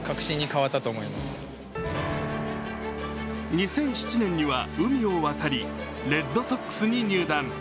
２００７年には海を渡りレッドソックスに入団。